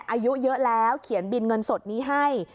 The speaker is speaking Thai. อายุเยอะแล้วเขียนบินเงินสดนี้ให้